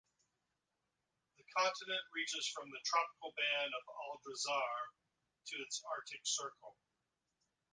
The continent reaches from the tropical band of Aldrazar to its Arctic Circle.